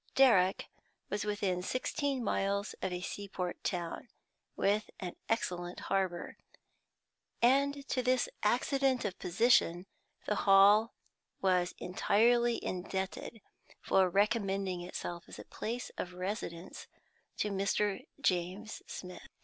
Darrock was within sixteen miles of a sea port town, with an excellent harbor, and to this accident of position the Hall was entirely indebted for recommending itself as a place of residence to Mr. James Smith.